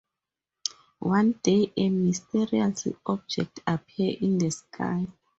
One day, a mysterious object appeared in the sky.